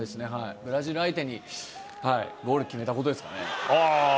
ブラジル相手にゴール決めたことですかね。